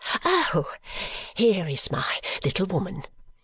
"Oh! Here is my little woman!"